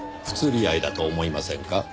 不釣り合いだと思いませんか？